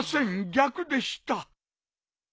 逆でした。